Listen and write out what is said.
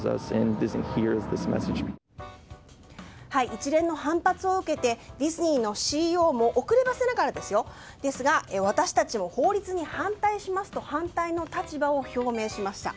一連の反発を受けてディズニーのＣＥＯも遅ればせながら私たちは法律に反対しますと反対の立場を表明しました。